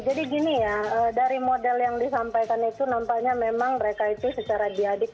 jadi gini ya dari model yang disampaikan itu nampaknya memang mereka itu secara diadakan